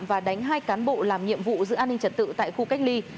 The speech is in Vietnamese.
và đánh hai cán bộ làm nhiệm vụ giữ an ninh trật tự tại khu cách ly